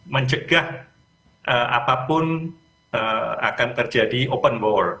mencegah apapun akan terjadi open war